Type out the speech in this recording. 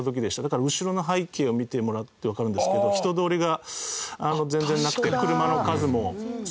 だから後ろの背景を見てもらってわかるんですけど人通りが全然なくて車の数も少なくて。